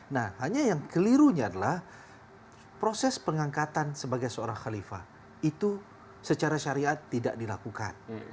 nah hanya yang kelirunya adalah proses pengangkatan sebagai seorang khalifah itu secara syariat tidak dilakukan